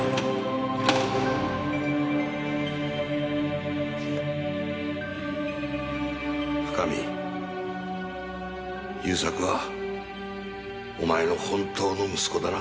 勇作はお前の本当の息子だな？